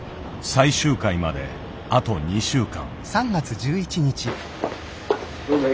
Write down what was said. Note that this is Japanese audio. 最終回まであと２週間。